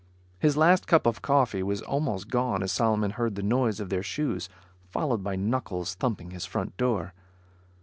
His last cup of coffee was almost gone as Solomon heard the noise of their shoes, followed by knuckles thumping his front door.